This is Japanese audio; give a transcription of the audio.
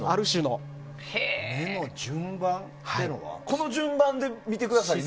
この順番で見てくださいみたいな？